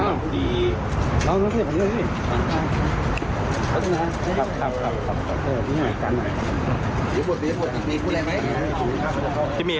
น้องได้สั่งซื้อกับพี่จริงไหมพี่